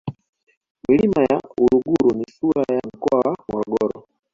milima ya uluguru ni sura ya mkoa wa morogoro